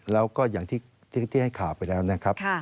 แล้วก็อย่างที่ให้ข่าวไปแล้วนะครับ